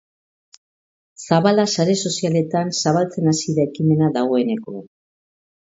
Zabala sare sozialetan zabaltzen hasi da ekimena dagoeneko.